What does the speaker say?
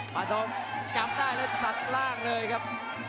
มาทองกลับได้แล้วถัดล่างเลยครับ